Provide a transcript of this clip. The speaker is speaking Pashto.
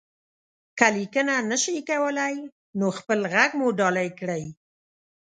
که ليکنه نشئ کولی، نو خپل غږ مو ډالۍ کړئ.